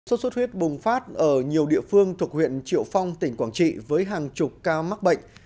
sốt xuất huyết bùng phát ở nhiều địa phương thuộc huyện triệu phong tỉnh quảng trị với hàng chục ca mắc bệnh